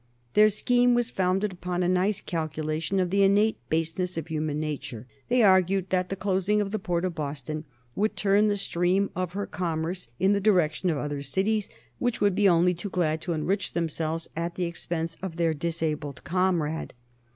Their scheme was founded upon a nice calculation of the innate baseness of human nature. They argued that the closing of the port of Boston would turn the stream of her commerce in the direction of other cities, which would be only too glad to enrich themselves at the expense of their disabled comrade.